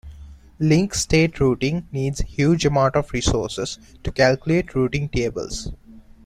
Link state routing needs huge amount of resources to calculate routing tables.